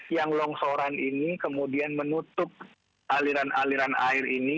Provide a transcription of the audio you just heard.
yang longsoran ini kemudian menutup aliran aliran air ini